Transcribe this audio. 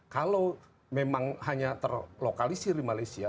kalau memang hanya terlokalisir di malaysia